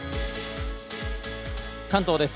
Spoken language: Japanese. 関東です。